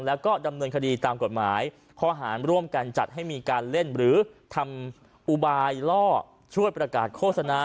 แล้วก็ดำเนินคดีตามกฎหมายข้อหารร่วมกันจัดให้มีการเล่นหรือทำอุบายล่อช่วยประกาศโฆษณา